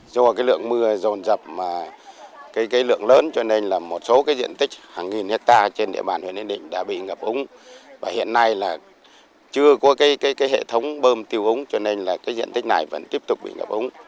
do lượng mưa dồn dập lượng lớn cho nên một số diện tích hàng nghìn hectare trên địa bàn huyện ninh định đã bị ngập úng hiện nay chưa có hệ thống bơm tiêu úng cho nên diện tích này vẫn tiếp tục bị ngập úng